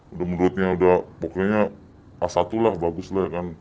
udah menurutnya udah pokoknya a satu lah bagus lah ya kan